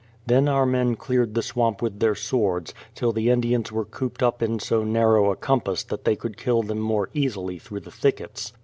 Then our men cleared the swamp with their swords, till the Indians were cooped up in so narrow a compass that they could kill them more easily through the thickets.